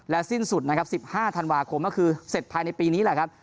และสิ้นสุด๑๕ธันวาคมคือเสร็จภายในปีนี้แหละครับ